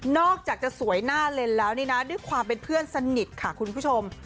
อกจากจะสวยหน้าเลนแล้วนี่นะด้วยความเป็นเพื่อนสนิทค่ะคุณผู้ชม